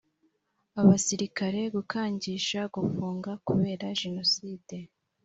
abasirikare gukangisha gufunga kubera jenoside